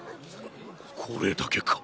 これだけか？